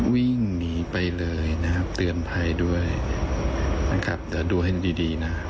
วิ่งหนีไปเลยนะครับเตือนภัยด้วยนะครับเดี๋ยวดูให้ดีดีนะ